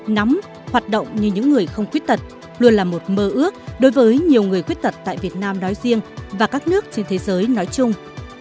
nắm hoạt động như những người không khuyết tật luôn là một mơ ước đối với nhiều người khuyết tật tại việt nam nói riêng và các nước trên thế giới nói chung